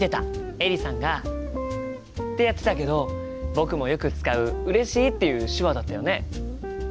エリさんがってやってたけど僕もよく使う「うれしい」っていう手話だったよね。